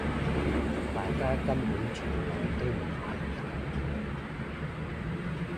大家根本從來都唔係同路人